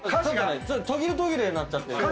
途切れ途切れになっちゃってる。